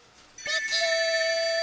ピキーン！